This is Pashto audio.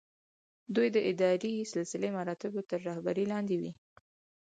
دوی د اداري سلسله مراتبو تر رهبرۍ لاندې وي.